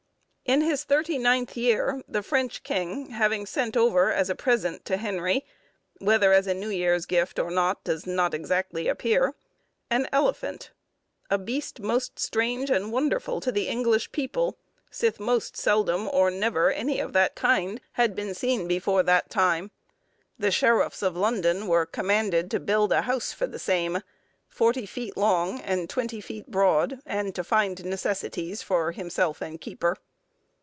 ] In his thirty ninth year, the French king, having sent over as a present to Henry (whether as a New Year's gift or not does not exactly appear) an elephant—"a beast most strange and wonderfull to the English people, sith most seldome or never any of that kind had beene seene before that time,"—the sheriffs of London were commanded to build a house for the same, forty feet long and twenty feet broad, and to find necessaries for himself and keeper.